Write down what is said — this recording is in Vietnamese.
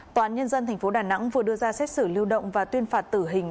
toán nhân dân thành phố đà nẵng vừa đưa ra xét xử lưu động và tuyên phạt tử hình